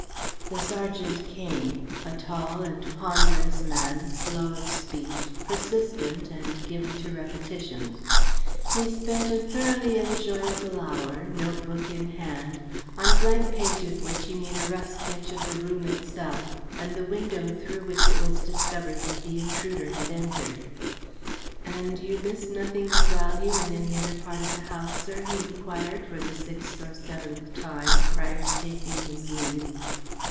The sergeant came; a tall and ponderous man, slow of speech, persistent and given to repetitions. He spent a thoroughly enjoyable hour, notebook in hand, on a blank page of which he made a rough sketch of the room itself and the window through which it was discovered that the intruder had entered. "And you miss nothing of value in any other part of the house, sir?" he enquired for the sixth or seventh time, prior to taking his leave.